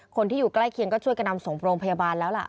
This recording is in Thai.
คนที่อยู่ใกล้เคียงก็ช่วยกันนำส่งโรงพยาบาลแล้วล่ะ